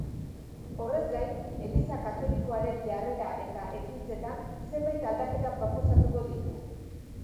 Horrez gain, eliza katolikoaren jarrera eta ekintzetan zenbait aldaketa proposatuko ditu.